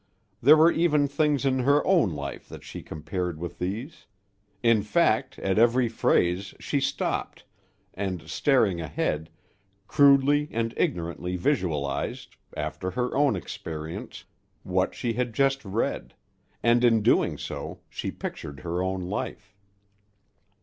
There were even things in her own life that she compared with these; in fact, at every phrase, she stopped, and, staring ahead, crudely and ignorantly visualized, after her own experience, what she had just read; and, in doing so, she pictured her own life.